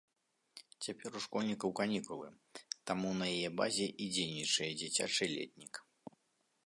Цяпер у школьнікаў канікулы, таму на яе базе і дзейнічае дзіцячы летнік.